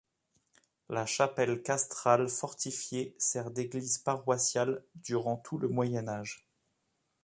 La chapelle castrale fortifiée sert d'église paroissiale durant tout le Moyen Âge.